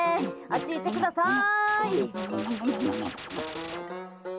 あっち、行ってください！